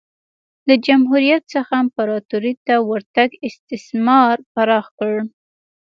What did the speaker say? له جمهوریت څخه امپراتورۍ ته ورتګ استثمار پراخ کړ